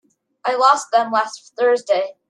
I lost them last Thursday.